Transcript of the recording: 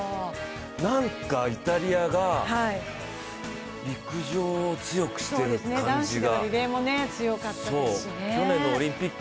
なんかイタリアが陸上を強くしてる感じが。